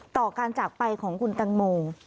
ต่อการจากไปของคุณตังโม